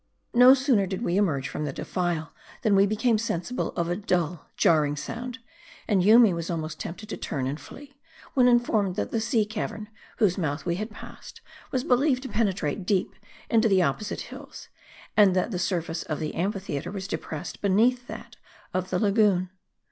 No sooner did we emerge from the defile, than we became sensible of a dull, jarring sound ; and Yoomy was almost tempted to turn and flee, when informed that the sea cavern, whose mouth we had passed, was believed to pen etrate deep into the opposite hills ; and that the surface of the amphitheater was depressed beneath that of the la goon.